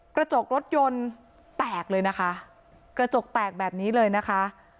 กระจกรถยนต์แตกเลยนะคะกระจกแตกแบบนี้เลยนะคะ